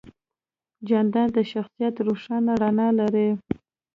جانداد د شخصیت روښانه رڼا لري.